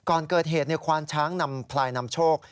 ก่อนเกิดเหตุควานช้างนำพลายนำโชค